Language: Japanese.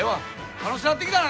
楽しなってきたな！